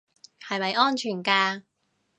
係咪安全㗎